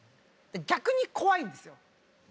逆に怖いんですよ。